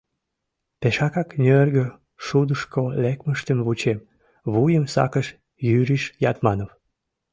Пешакак нӧргӧ шудышко лекмыштым вучем, — вуйым сакыш Юриш Ятманов.